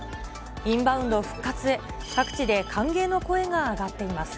インバウンド復活へ、各地で歓迎の声が上がっています。